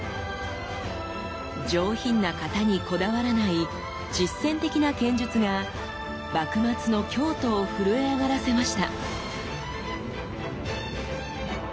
上品な形にこだわらない実践的な剣術が幕末の京都を震え上がらせました。